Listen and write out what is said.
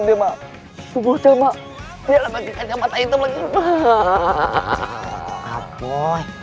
dia mah semua sama dia lagi kacamata itu lagi